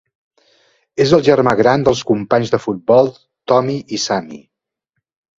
És el germà gran dels companys de futbol Tomi i Sammy.